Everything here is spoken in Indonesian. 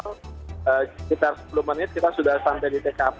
sekitar sepuluh menit kita sudah sampai di tkp